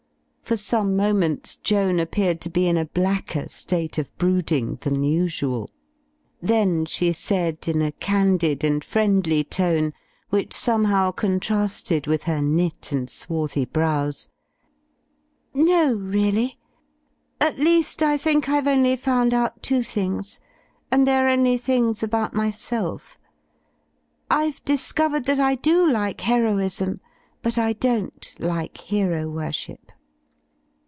For some moments Joan appeared to be in a blacker state of brooding than ususd; then she said, in a candid and friendly tone, which somehow contrasted with her knit and swarthy brows — "No, really. At least I think Fve only found out two things; and they are only things about myself. I've discovered that I do like heroism, but I don't like hero worship."